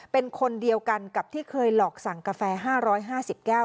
เป็นคนเดียวกันกับที่เคยหลอกสั่งกาแฟ๕๕๐แก้ว